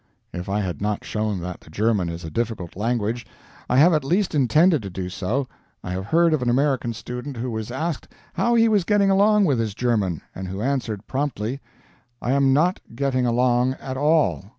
If I had not shown that the German is a difficult language, I have at least intended to do so. I have heard of an American student who was asked how he was getting along with his German, and who answered promptly: "I am not getting along at all.